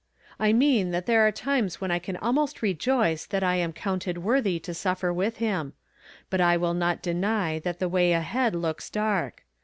"I mean that there are times when I can almost rejoice that I am counted worthy to suffer with him ; but I will not deny that the way ahead looks dark.